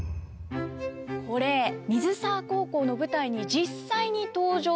これ水沢高校の舞台に実際に登場する服なんです。